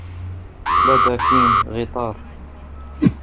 لدى كين غيتار.